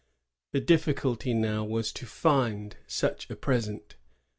The difficulty now was to find such a present.